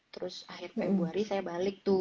terus akhir februari saya balik tuh